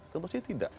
tentu saja tidak